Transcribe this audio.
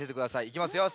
いきますよ。